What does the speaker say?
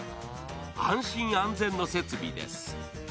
安心・安全の設備です。